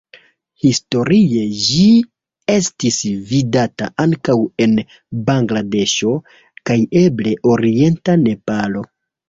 Historie ĝi estis vidata ankaŭ en Bangladeŝo kaj eble orienta Nepalo.